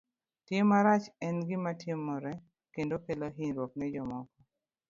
Tim marach en gima timore kendo kelo hinyruok ne jomoko.